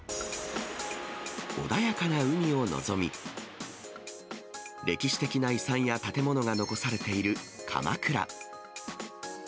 穏やかな海を望み、歴史的な遺産や建物が残されている鎌倉。